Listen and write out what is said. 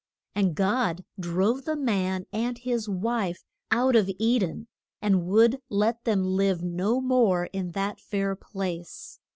And God drove the man and his wife out of E den, and would let them live no more in that fair place.